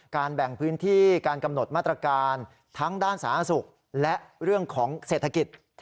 แบ่งพื้นที่การกำหนดมาตรการทั้งด้านสาธารณสุขและเรื่องของเศรษฐกิจ